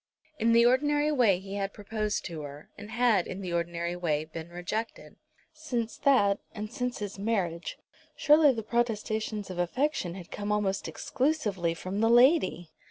In the ordinary way he had proposed to her, and had, in the ordinary way, been rejected. Since that, and since his marriage, surely the protestations of affection had come almost exclusively from the lady!